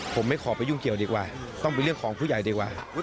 ผมไม่ขอไปยุ่งเกี่ยวดีกว่าต้องเป็นเรื่องของผู้ใหญ่ดีกว่า